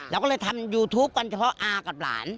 ผมก็เลยทำยูทูปก่อนเยอะครับเพราะว่าอ่ากับหลาน